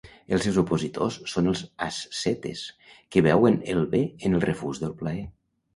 Els seus opositors són els ascetes, que veuen el bé en el refús del plaer.